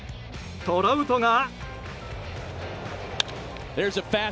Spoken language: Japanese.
トラウトが。